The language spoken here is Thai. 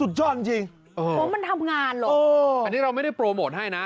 สุดยอดจริงจริงโอ้มันทำงานหรอกอ๋ออันนี้เราไม่ได้โปรโมทให้น่ะ